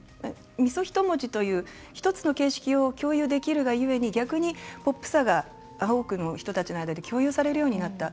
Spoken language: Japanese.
三十一文字という１つの形式を共有できるがゆえに逆にポップさが多くの人たちの間で共有されるようになった。